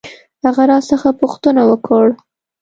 هغه راڅخه پوښتنه وکړ.